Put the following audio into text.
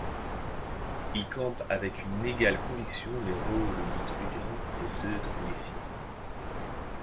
Il campe avec une égale conviction les rôles de truands et ceux de policiers.